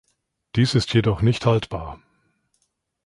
Dies ist jedoch nicht haltbar.